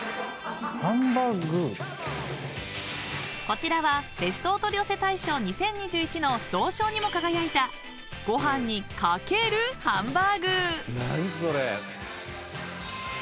［こちらはベストお取り寄せ大賞２０２１の銅賞にも輝いたご飯に掛けるハンバーグ］